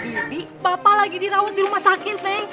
bibi bapak lagi dirawat di rumah sakit neng